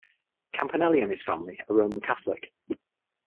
Campanelli and his family are Roman Catholic.